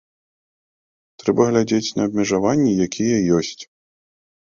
Трэба глядзець на абмежаванні, якія ёсць.